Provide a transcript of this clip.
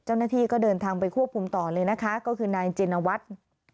เจ้าหน้าที่ก็เดินทางไปควบคุมต่อเลยนะคะก็คือนายจินวัฒน์